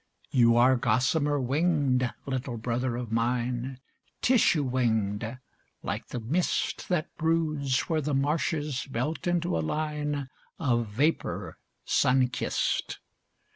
You are gossamer winged, little brother of mine, Tissue winged, like the mist That broods where the marshes melt into a line Of vapour sun kissed.